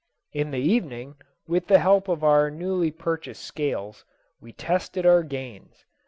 In the evening, with the help of our newly purchased scales, we tested our gains.